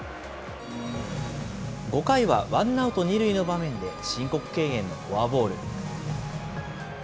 ５回はワンアウト２塁の場面で申告敬遠のフォアボール。